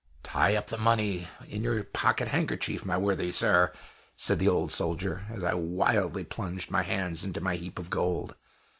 "Tie up the money in your pocket handkerchief, my worthy sir," said the old soldier, as I wildly plunged my hands into my heap of gold.